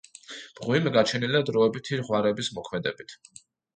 მღვიმე გაჩენილია დროებითი ღვარების მოქმედებით.